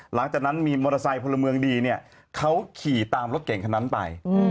หลังจากนั้นมีมอเตอร์ไซค์พลเมืองดีเนี่ยเขาขี่ตามรถเก่งคนนั้นไป